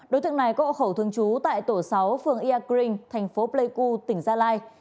đối tượng này có khẩu thường trú tại tổ sáu phường ia kring thành phố pleiku tỉnh gia lai